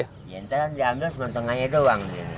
nanti diambil sementengahnya doang